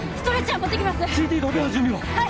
はい！